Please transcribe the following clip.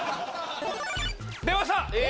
出ました！